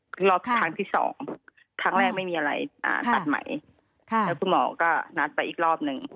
คือรอบครั้งที่สองครั้งแรกไม่มีอะไรอ่าตัดใหม่แล้วคุณหมอก็นัดไปอีกรอบหนึ่ง